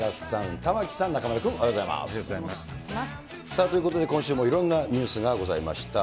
さあ、ということで今週もいろんなニュースがございました。